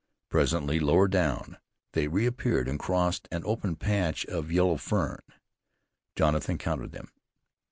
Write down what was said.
Presently, lower down, they reappeared and crossed an open patch of yellow fern. Jonathan counted them.